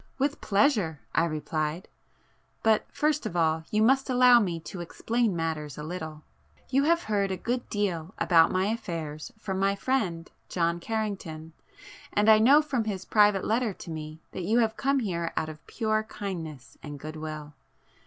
"With pleasure!" I replied—"But first of all, you must allow me to explain matters a little. You have heard a good deal about my affairs from my friend John Carrington, and I know from his private letter to me that you have come here out of pure kindness and goodwill.